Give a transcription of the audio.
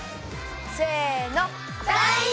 せの！